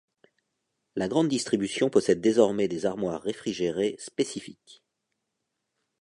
La Grande Distribution possède désormais des armoires réfrigérées spécifiques.